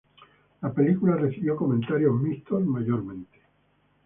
La película recibió comentarios mixtos mayormente.